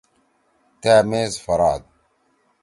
تأ میز پھراد۔